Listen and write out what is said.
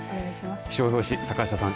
気象予報士坂下さん